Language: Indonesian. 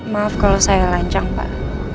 maaf kalau saya lancang pak